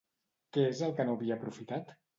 Què és el que no havia aprofitat?